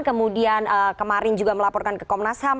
kemudian kemarin juga melaporkan ke komnasam